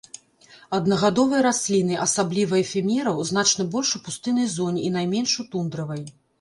Аднагадовыя расліны, асабліва эфемераў, значна больш у пустыннай зоне і найменш у тундравай.